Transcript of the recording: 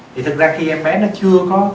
thì thật ra khi em bé nó chưa có